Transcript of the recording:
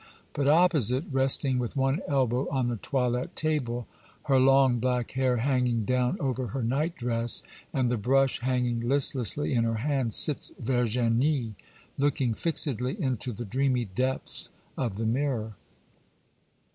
But opposite, resting with one elbow on the toilette table, her long black hair hanging down over her night dress, and the brush hanging listlessly in her hand, sits Virginie, looking fixedly into the dreamy depths of the mirror.